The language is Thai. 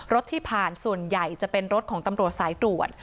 รถที่ผ่านส่วนใหญ่จะเป็นรถของตำรวจสายตรวจ